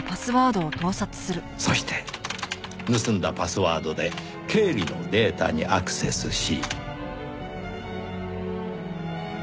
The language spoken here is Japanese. そして盗んだパスワードで経理のデータにアクセスし。